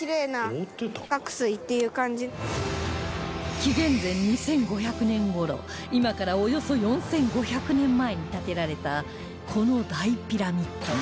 紀元前２５００年頃今からおよそ４５００年前に建てられたこの大ピラミッド